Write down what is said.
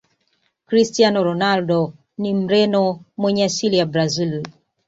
cristiano ronaldo ni mreno mwenye asili ya brazil